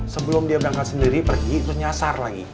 sebelum dia berangkat sendiri pergi terus nyasar lagi